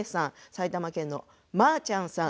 埼玉県の、まあちゃんさん